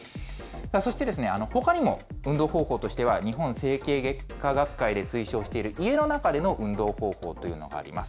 そして、ほかにも運動方法としては日本整形外科学会で推奨している家の中での運動方法というのがあります。